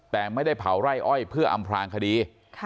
แต่ไม่ได้เผาไร่อ้อยเพื่ออำพลางคดี